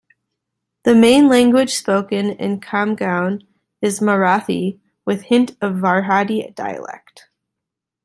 The main language spoken in Khamgaon is Marathi with hint of varhadi dialect.